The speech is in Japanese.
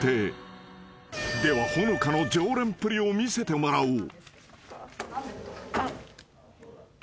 ［ではほのかの常連っぷりを見せてもらおう］